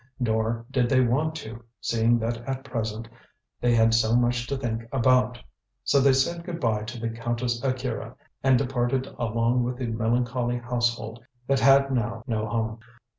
Nor did they want to, seeing that at present they had so much to think about. So they said good bye to the Countess Akira and departed along with the melancholy household that had now no home.